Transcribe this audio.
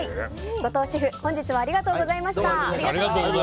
後藤シェフ本日はありがとうございました。